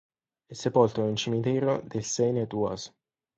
È sepolto in un cimitero del Seine-et-Oise.